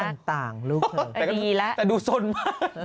อันนี้ต่างลูกคือแต่ดูสนมากนะดีละ